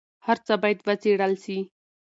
هر څه باید وڅېړل سي.